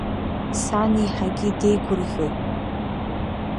Сан еиҳагьы деигәырӷьоит.